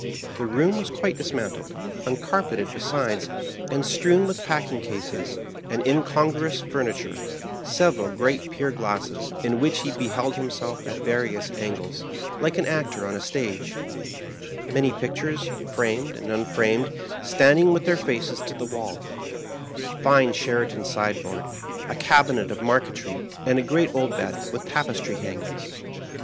The room was quite dismantled, uncarpeted be sides, and strewn with packing cases, and incongruous furniture ; several great pier glasses, in which he beheld himself at various angles, like an actor on a stage ; many pictures, framed and unframed, standing with their faces to the wall ; a fine Sheraton sideboard, a cabinet of mar Digitized by VjOOQIC MARKEEIM. 67 qnetry, and a great old bed, with tapestry hangings.